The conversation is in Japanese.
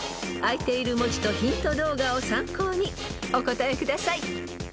［あいている文字とヒント動画を参考にお答えください］